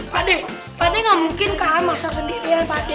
pak d pak d nggak mungkin kalian masak sendirian pak d